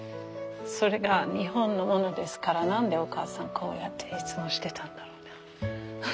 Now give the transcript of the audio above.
それが日本のものですから何でお母さんこうやっていつもしてたんだろうな。